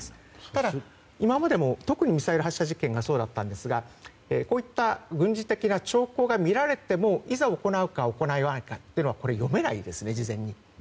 ただ、今までも特にミサイル発射実験がそうだったんですがこうした軍事的兆候が見られてもいざ行うか行わないかは読めないです、事前に。